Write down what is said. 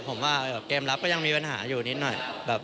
ผมว่าเกมรับก็ยังมีปัญหาอยู่นิดหน่อย